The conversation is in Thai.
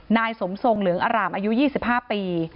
นายสมทรงเหลืองอร่ามอายุ๒๕ปี